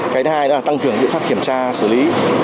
cái thứ hai là tăng cường biện pháp kiểm tra xử lý